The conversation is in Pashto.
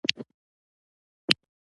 ماشومان